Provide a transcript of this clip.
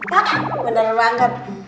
hah bener banget